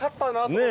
ねえ！